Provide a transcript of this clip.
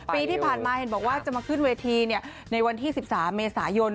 ปีที่ผ่านมาเห็นบอกว่าจะมาขึ้นเวทีในวันที่๑๓เมษายน